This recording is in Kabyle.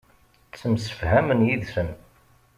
Ttemsefhamen yid-sen.